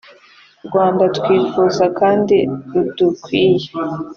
rwanda twifuza kandi rudukwiye